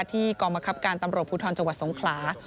กองบังคับการตำรวจภูทรจังหวัดสงขลา